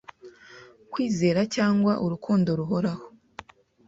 Kwizera cyangwa Urukundo ruhoraho